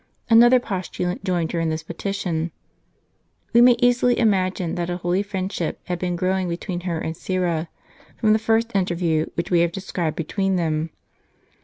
Another postulant joined her in this petition. We may easily imagine that a holy friendship had been growing between her and Syra, from the first interview which we have described between them.